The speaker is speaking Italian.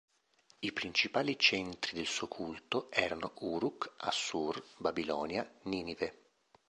I principali centri del suo culto erano Uruk, Assur, Babilonia, Ninive.